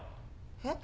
えっ？